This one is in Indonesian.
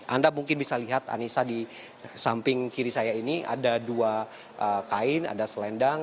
anda mungkin bisa lihat anissa di samping kiri saya ini ada dua kain ada selendang